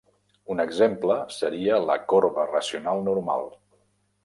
Un exemple seria la corba racional normal.